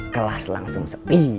kelas langsung sepi